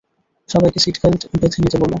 সবাইকে seat belt বেঁধে নিতে বলো।